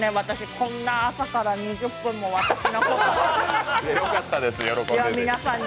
こんな朝から２０分も私のために。